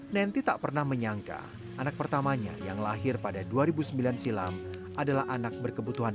nenty tak pernah menyangka anak pertamanya yang lahir pada dua ribu sembilan silam adalah anak berkebutuhan